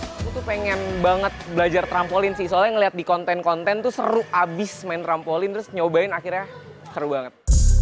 aku tuh pengen banget belajar trampolin sih soalnya ngeliat di konten konten tuh seru abis main trampolin terus nyobain akhirnya seru banget